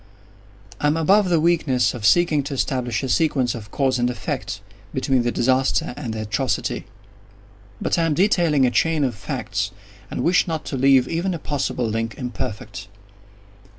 I am above the weakness of seeking to establish a sequence of cause and effect, between the disaster and the atrocity. But I am detailing a chain of facts—and wish not to leave even a possible link imperfect.